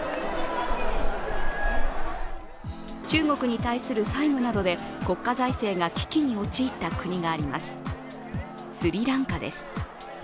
中国に対する債務などで国家財政が危機に陥った国があります、スリランカです。